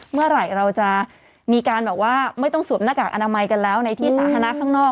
เมื่อไหร่เราจะมีการแบบว่าไม่ต้องสวมหน้ากากอนามัยกันแล้วในที่สาธารณะข้างนอก